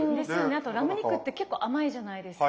あとラム肉って結構甘いじゃないですか。